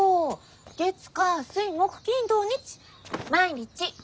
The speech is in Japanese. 月火水木金土日毎日。